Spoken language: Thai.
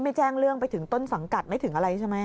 แจ้งเรื่องไปถึงต้นสังกัดไม่ถึงอะไรใช่ไหม